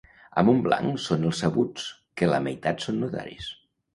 A Montblanc són els sabuts, que la meitat són notaris.